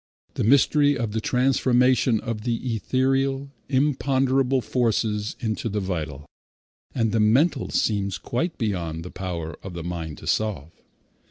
The mystery of the transformation of the ethereal, imponderable forces into the vital and the mental seems quite beyond the power of the mind to solve.